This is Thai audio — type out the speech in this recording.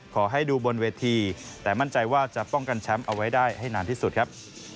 ขอให้ดูบนเวทีแต่มั่นใจว่าจะป้องกันแชมป์เอาไว้ได้ให้นานที่สุดครับ